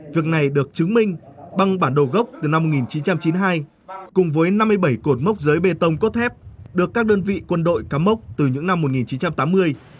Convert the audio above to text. việc này được chứng minh bằng bản đồ gốc từ năm một nghìn chín trăm chín mươi hai cùng với năm mươi bảy cột mốc giới bê tông cốt thép được các đơn vị quân đội cắm mốc từ những năm một nghìn chín trăm tám mươi